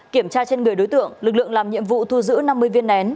kiểm tra trên người đối tượng lực lượng làm nhiệm vụ thu giữ năm mươi viên nén